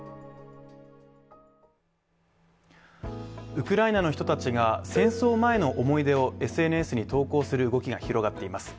ウクライナの人たちが戦争前の思い出をＳＮＳに投稿する動きが広がっています。